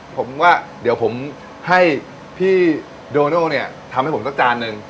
ผมว่าเดี๋ยวผมให้พี่โดโน่เนี่ยทำให้ผมสักจานหนึ่ง